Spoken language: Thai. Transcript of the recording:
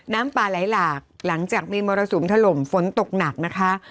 น้ำปลาไหลหลากหลังจากมีมรสุมถล่มฝนตกหนักนะคะ